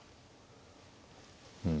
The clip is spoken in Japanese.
うん。